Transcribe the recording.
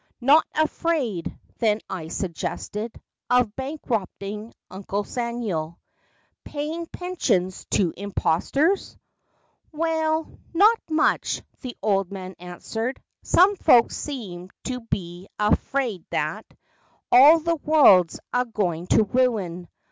Not afraid, then, I suggested, Of bankrupting Uncle Samuel, Paying pensions to imposters ? 'Waal, not much," the old man answered. ' Some folks seems to be a feard that All the world's a goin' to ruin.